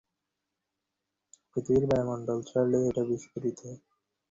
আর এইজন্যই পাশ্চাত্যে কোন কোন বৌদ্ধমত খুব জনপ্রিয় হইতেছে।